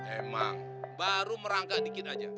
emang baru merangkak dikit aja